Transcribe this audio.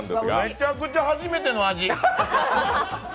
めちゃくちゃ初めての味。